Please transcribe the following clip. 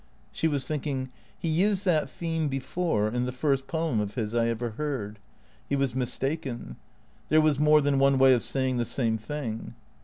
She was thinking: He used that theme before, in the first poem of his I ever heard. He was mistaken. There was more than one way of saying the same thing.